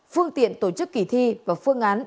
phương tiện tổ chức kỳ thi và phương án